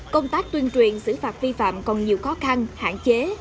công tác tuyên truyền xử phạt vi phạm còn nhiều khó khăn hạn chế